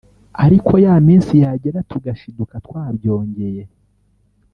ariko ya minsi yagera tugashiduka twabyongeye